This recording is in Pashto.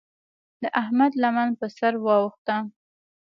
د احمد لمن پر سر واوښته.